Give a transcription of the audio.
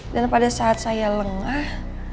dan pada saat saya lengah